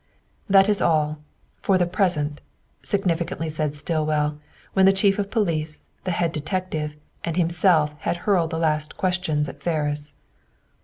"That is all, for the present," significantly said Stillwell, when the chief of police, the head detective, and himself had hurled the last questions at Ferris.